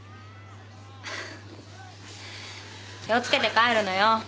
気をつけて帰るのよ。